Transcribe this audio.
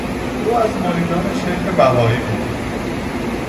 او از مریدان شیخ بهایی بود.